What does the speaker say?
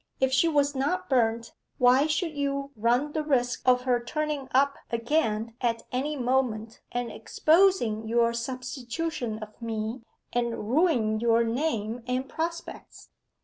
If she was not burnt, why should you run the risk of her turning up again at any moment and exposing your substitution of me, and ruining your name and prospects?